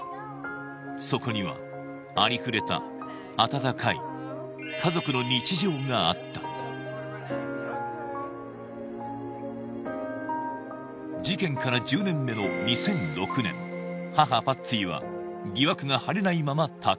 そこにはありふれた温かい家族の日常があった事件から１０年目の２００６年母パッツィは疑惑が晴れないまま他界